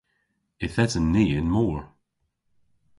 Yth esen ni y'n mor.